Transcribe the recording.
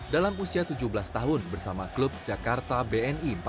dalam usia tujuh belas tahun bersama klub jakarta bni empat puluh